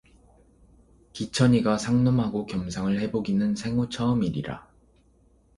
기천이가 상놈하고 겸상을 해보기는 생후 처음이리라.